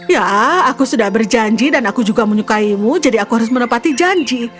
ya aku sudah berjanji dan aku juga menyukaimu jadi aku harus menepati janji